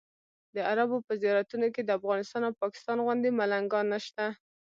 د عربو په زیارتونو کې د افغانستان او پاکستان غوندې ملنګان نشته.